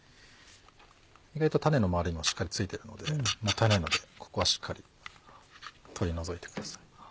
意外と種の周りにもしっかり付いてるのでもったいないのでここはしっかり取り除いてください。